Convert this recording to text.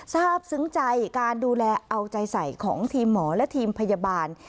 ทราบซึ้งใจการดูแลเอาใจใส่ของทีมหมอและทีมพยาบาล